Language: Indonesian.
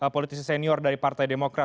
politisi senior dari partai demokrat